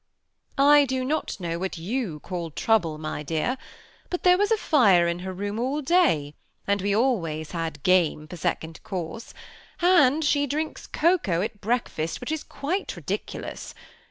'^ I do not know what you call trouble, my dear ; but tb^e was a fire in her room all day ; and we always had game for secoad course, and she drinks cocoa at breakfast^ which is quite rid»iulous.